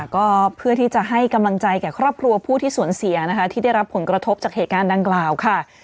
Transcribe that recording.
ก็เพื่อที่จะให้กำลังใจแก่ครอบครัวผู้ที่สูญเสียนะคะที่ได้รับผลกระทบจากเหตุการณ์ดังกล่าวค่ะ